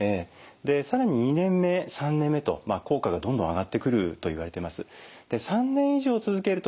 更に２年目３年目と効果がどんどん上がってくるといわれてます。